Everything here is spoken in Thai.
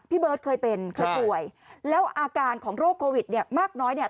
เบิร์ตเคยเป็นเคยป่วยแล้วอาการของโรคโควิดเนี่ยมากน้อยเนี่ย